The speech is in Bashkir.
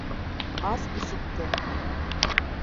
Ас ишекте.